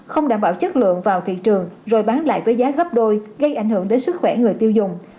không đảm bảo chất lượng vào thị trường rồi bán lại với giá gấp đôi gây ảnh hưởng đến sức khỏe người tiêu dùng